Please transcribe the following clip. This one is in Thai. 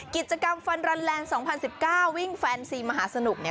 กิจกรรมฟันรันแลนด์๒๐๑๙วิ่งแฟนซีมหาสนุกเนี่ย